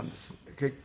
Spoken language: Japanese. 結局。